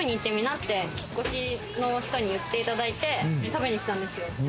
って、引っ越しの人に言っていただいて、食べに行ったんですよ。